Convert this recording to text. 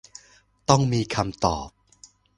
ต้องมีคำตอบ